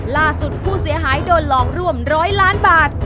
ล่าสุดผู้เสียหายโดนหลอกร่วมร้อยล้านบาท